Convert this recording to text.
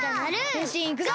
へんしんいくぞ！